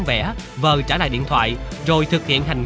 bởi nỗi ám ảnh